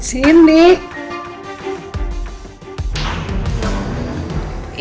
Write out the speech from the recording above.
saya cuma pemulung sampah di sekitar sini